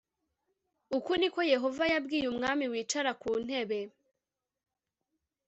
uku ni ko yehova yabwiye umwami wicara ku ntebe